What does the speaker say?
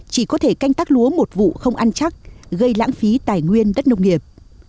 chỉ có thể canh tác lúa một vụ không ăn chắc gây lãng phí tài nguyên đất nông nghiệp